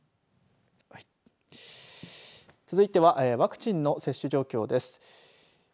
続いてはワクチンの接種状況です。